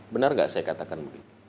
benar gak saya katakan